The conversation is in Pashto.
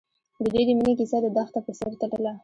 د دوی د مینې کیسه د دښته په څېر تلله.